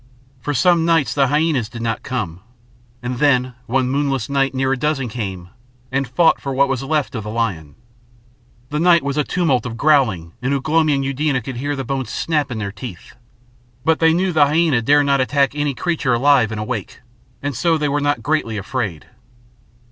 For some nights the hyænas did not come, and then one moonless night near a dozen came and fought for what was left of the lion. The night was a tumult of growling, and Ugh lomi and Eudena could hear the bones snap in their teeth. But they knew the hyæna dare not attack any creature alive and awake, and so they were not greatly afraid.